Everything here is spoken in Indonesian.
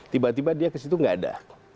tiba tiba dia ke situ nggak ada